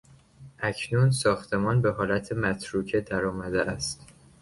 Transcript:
اکنون ساختمان به حالت متروکه درآمده است.